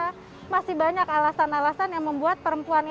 jadi ya masih banyak alasan alasan yang membuat perempuan itu